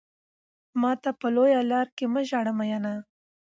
ماته په لويه لار کې مه ژاړه ميننه